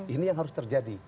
ini yang harus terjadi